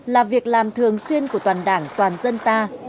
là việc làm thường xuyên của toàn đảng toàn dân ta